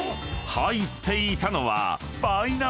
入っていたのは］